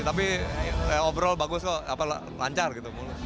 tapi overall bagus kok lancar gitu